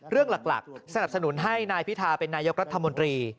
เรื่องหลักสนับสนุนให้นายพิธาเป็นนายกรัฐมนตรี